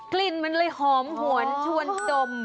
กลิ่นมันเลยหอมหวนชวนจม